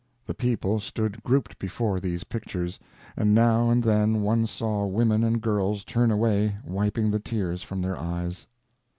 The people stood grouped before these pictures, and now and then one saw women and girls turn away wiping the tears from their eyes.